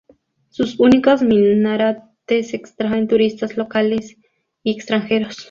Sus únicos minaretes atraen turistas locales y extranjeros.